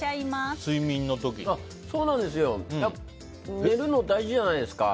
寝るの大事じゃないですか。